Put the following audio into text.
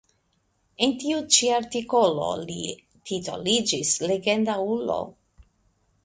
En tiu ĉi artikolo li titoliĝis "legenda ulo".